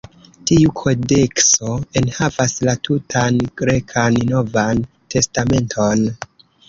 Tiu kodekso enhavas la tutan grekan Novan Testamenton.